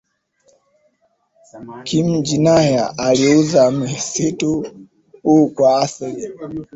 Khimji nae aliuza msitu huu kwa Asar